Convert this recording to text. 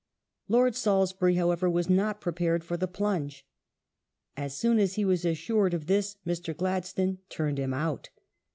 Lord Salisbury, however, was not prepared for the plunge. As soon as he was assured of this Mr. Gladstone turned him out.